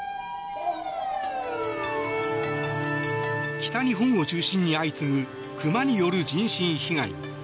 北日本を中心に相次ぐ熊による人身被害。